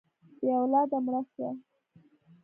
بې اولاده مړه شوه.